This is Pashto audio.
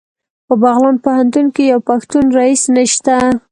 په بغلان پوهنتون کې یو پښتون رییس نشته